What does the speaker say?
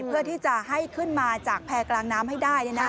เพื่อที่จะให้ขึ้นมาจากแพร่กลางน้ำให้ได้